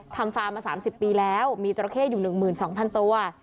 ฟาร์มมา๓๐ปีแล้วมีจราเข้อยู่๑๒๐๐๐ตัว